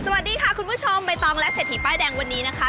สวัสดีค่ะคุณผู้ชมใบตองและเศรษฐีป้ายแดงวันนี้นะคะ